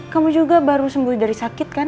kamu juga baru sembuh dari sakit kan